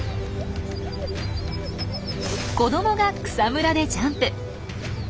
子どもが草むらでジャンプ！